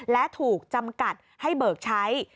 และถูกจำกัดให้เบิกใช้